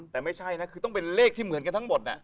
แต่ไม่ใช่นะคือต้องเป็นเลขที่เหมือนกันทั้งหมด